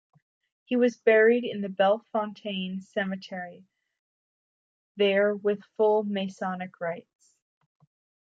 He was buried in the Bellefontaine Cemetery there with full Masonic rites.